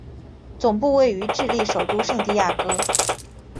总部位于智利首都圣地亚哥。